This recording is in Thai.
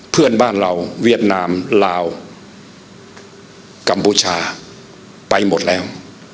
เพื่อนบ้านเราเวียดนามลาวกัมพูชาไปหมดแล้ว